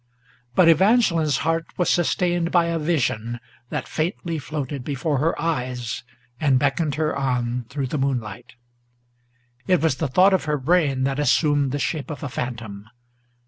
But Evangeline's heart was sustained by a vision, that faintly Floated before her eyes, and beckoned her on through the moonlight. It was the thought of her brain that assumed the shape of a phantom.